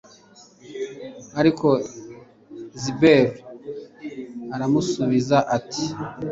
ariko zebuli aramusubiza ati